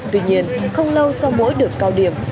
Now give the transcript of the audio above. tuy nhiên không lâu sau mỗi đợt cao điểm